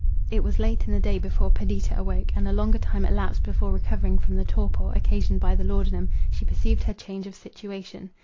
It was late in the day before Perdita awoke, and a longer time elapsed before recovering from the torpor occasioned by the laudanum, she perceived her change of situation.